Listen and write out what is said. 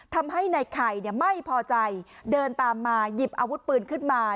ทำให้ในไข่ไม่พอใจเดินตามมาหยิบอาวุธปืนขึ้นมา